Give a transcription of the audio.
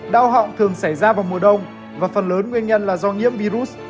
đau họng thường xảy ra vào mùa đông và phần lớn nguyên nhân là do nhiễm virus